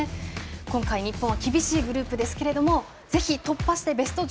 今回、日本は厳しいグループですがぜひ突破してベスト１６